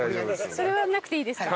それはなくていいですか？